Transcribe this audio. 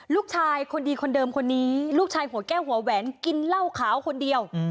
ลูกชายคนดีคนเดิมคนนี้ลูกชายหัวแก้วหัวแหวนกินเหล้าขาวคนเดียว